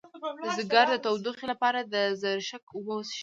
د ځیګر د تودوخې لپاره د زرشک اوبه وڅښئ